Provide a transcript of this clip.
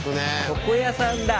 床屋さんだ。